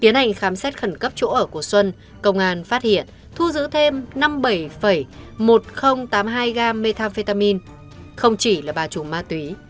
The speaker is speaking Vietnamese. tiến hành khám xét khẩn cấp chỗ ở của xuân công an phát hiện thu giữ thêm năm mươi bảy một nghìn tám mươi hai gam methamphetamin không chỉ là bà trùng ma túy